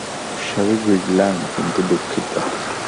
সবই বুঝলাম কিন্তু দুঃখিত!